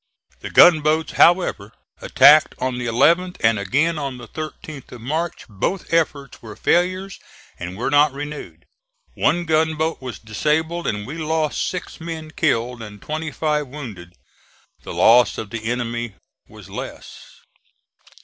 The gunboats, however, attacked on the 11th and again on the 13th of March. Both efforts were failures and were not renewed. One gunboat was disabled and we lost six men killed and twenty five wounded. The loss of the enemy was less.